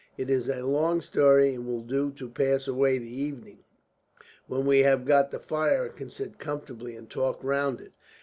It is a long story, and will do to pass away the evening, when we have got the fire and can sit comfortably and talk round it.